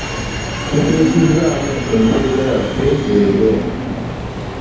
Tukyusizaamu ku mpereza yaffe leero.